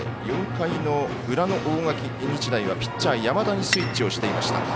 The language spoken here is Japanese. ４回の裏の大垣日大はピッチャー、山田にスイッチをしていました。